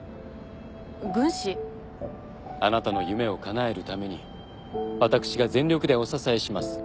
あなたの夢をかなえるために私が全力でお支えします。